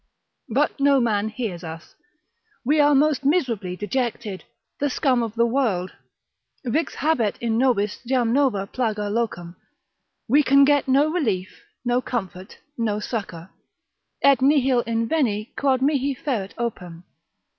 But no man hears us, we are most miserably dejected, the scum of the world. Vix habet in nobis jam nova plaga locum. We can get no relief, no comfort, no succour, Et nihil inveni quod mihi ferret opem.